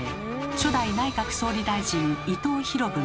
初代内閣総理大臣伊藤博文。